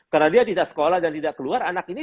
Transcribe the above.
karena dia tidak sekolah dan tidak keluar anak ini